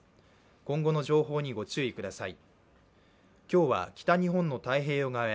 今後の情報にご注意ください。